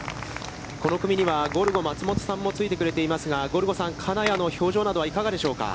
この組にはゴルゴ松本さんもついてくれていますがゴルゴさん、金谷の表情などはいかがでしょうか。